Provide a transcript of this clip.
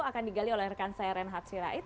akan digali oleh rekan saya reinhard sirait